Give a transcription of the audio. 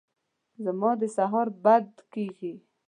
زما د سهاره بد کېږي !